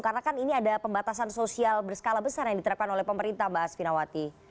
karena kan ini ada pembatasan sosial berskala besar yang diterapkan oleh pemerintah mbak asvinawati